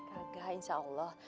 kagak insya allah